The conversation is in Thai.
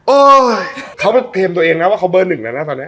โอ้ยเขาเทมตัวเองนะว่าเขาเบอร์หนึ่งแล้วนะตอนเนี้ย